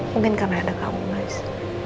mungkin karena ada kamu mas